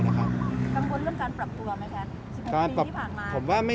อเรนนี่กังวลเรื่องการปรับตัวไหมแพทย์๑๖ปีที่ผ่านมา